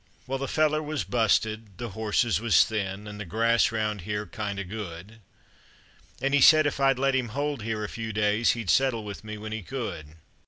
Well, the feller was busted, the horses was thin, an' the grass round here kind of good, An' he said if I'd let him hold here a few days he'd settle with me when he could.